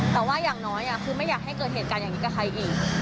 แต่ว่าอย่างน้อยคือไม่อยากให้เกิดเหตุการณ์อย่างนี้กับใครอีก